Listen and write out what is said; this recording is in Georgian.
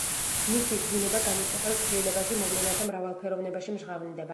მისთვის ბუნება განუწყვეტელ ცვლილებაში, მოვლენათა მრავალფეროვნებაში მჟღავნდება.